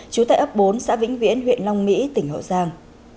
trú tại ấp bốn xã vĩnh viễn huyện long mỹ tỉnh hậu giang